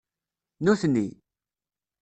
Nutni